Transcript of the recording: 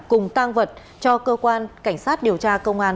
cùng tăng vật cho cơ quan cảnh sát điều tra công an